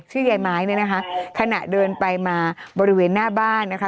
ชื่อยายไม้เนี่ยนะคะขณะเดินไปมาบริเวณหน้าบ้านนะคะ